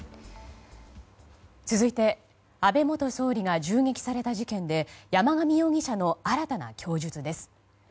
続いて、安倍元総理が銃撃された事件で山上容疑者の新たな供述です。